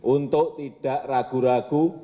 untuk tidak ragu ragu